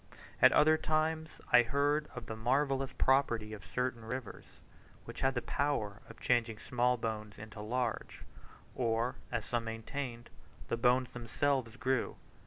At other times I heard of the marvellous property of certain rivers, which had the power of changing small bones into large; or, as some maintained, the bones themselves grew.